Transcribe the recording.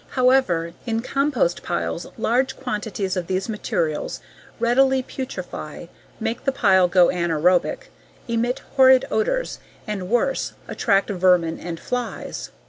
However, in compost piles, large quantities of these materials readily putrefy, make the pile go anaerobic, emit horrid odors, and worse, attract vermin and flies.